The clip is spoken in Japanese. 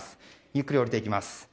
ゆっくり降りていきます。